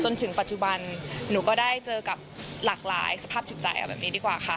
จนถึงปัจจุบันหนูก็ได้เจอกับหลากหลายสภาพจิตใจเอาแบบนี้ดีกว่าค่ะ